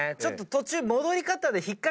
途中。